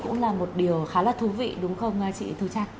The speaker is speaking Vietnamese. cũng là một điều khá là thú vị đúng không chị thu trạc